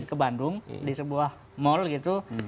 ke bandung di sebuah mall gitu